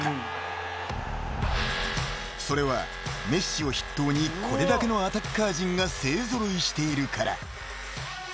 ［それはメッシを筆頭にこれだけのアタッカー陣が勢揃いしているから］